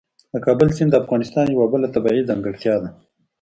د کابل سیند د افغانستان یوه بله طبیعي ځانګړتیا ده.